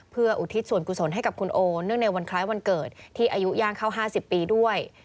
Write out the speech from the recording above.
เพื่ออุทิศส่วนกุศลให้กับคุณโอเนื่องในวันคล้ายวันเกิดที่อายุย่างเข้า๕๐ปีด้วย